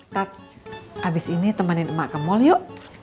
tat habis ini temenin emak ke mall yuk